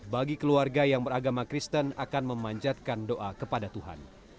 bagi keluarga yang beragama kristen akan memanjatkan doa kepada tuhan